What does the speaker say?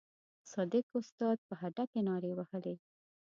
صدک استاد په هډه کې نارې وهلې.